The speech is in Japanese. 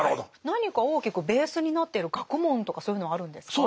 何か大きくベースになっている学問とかそういうのはあるんですか？